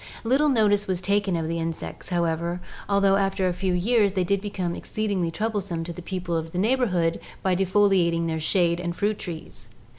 Little notice was taken of the insects, however, although after a few years they did become exceedingly troublesome to the people of the neighborhood by defoliating their shade and fruit trees.